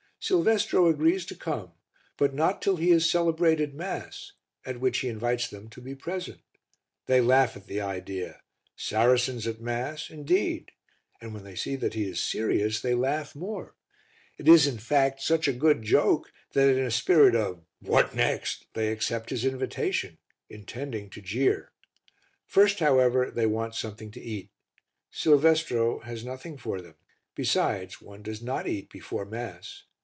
Silvestro agrees to come, but not till he has celebrated Mass, at which he invites them to be present. They laugh at the idea Saracens at Mass, indeed! and when they see that he is serious they laugh more; it is, in fact, such a good joke that in a spirit of What next? they accept his invitation, intending to jeer. First, however, they want something to eat. Silvestro has nothing for them; besides, one does not eat before Mass.